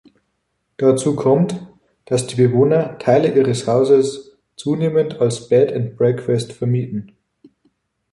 Dazu kommt, dass die Bewohner Teile ihres Hauses zunehmend als Bed and Breakfast vermieten.